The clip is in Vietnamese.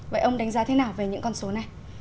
vậy ông đánh giá thế nào về những con số này